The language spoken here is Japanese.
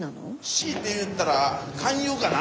強いて言ったら勧誘かな。